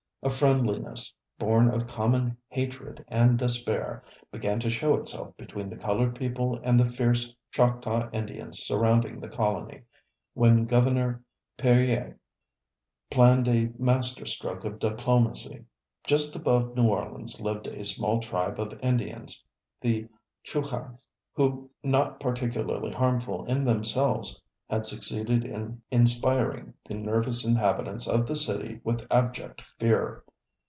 A friendliness, born of common hatred and despair, began to show itself between the colored people and the fierce Choctaw Indians surrounding the colony, when Gov. Perier planned a master stroke of diplomacy. Just above New Orleans lived a small tribe of Indians, the Chouchas, who, not particularly harmful in themselves, had succeeded in inspiring the nervous inhabitants of the city with abject fear.